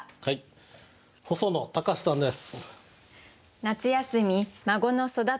細野隆さんです。